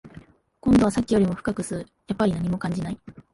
今度はさっきよりも深く吸う、やっぱり何も感じない